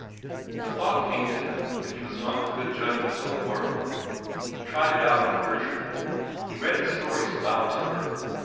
The thought came to him that he was not a good judge of his own work. He tried it out on Gertrude. He read his stories aloud to her.